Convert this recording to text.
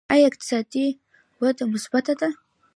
آیا اقتصادي وده مثبته ده؟